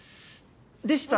でしたら。